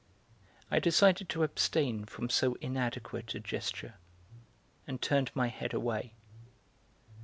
I decided to abstain from so inadequate a gesture, and turned my head away.